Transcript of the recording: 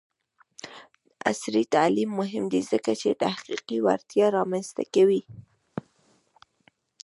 عصري تعلیم مهم دی ځکه چې تحقیقي وړتیا رامنځته کوي.